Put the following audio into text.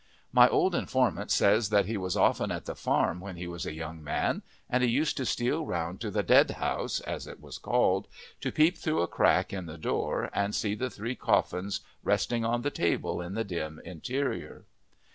My old informant says that he was often at the farm when he was a young man, and he used to steal round to the "Dead House," as it was called, to peep through a crack in the door and see the three coffins resting on the table in the dim interior.